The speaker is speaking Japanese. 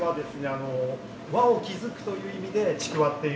あの輪を築くという意味で「ちくわ」っていう。